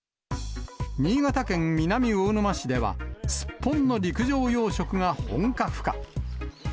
新潟県南魚沼市では、スッポンの陸上養殖が本格化。